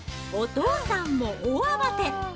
お父さんも大慌て！